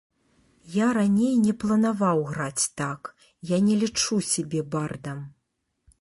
Я раней не планаваў граць так, я не лічу сябе бардам.